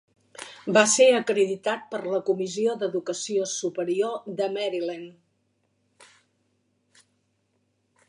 Va ser acreditat per la Comissió d'Educació Superior de Maryland.